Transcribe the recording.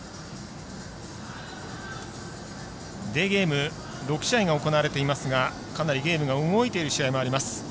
デーゲーム６試合が行われていますがかなりゲームが動いている試合もあります。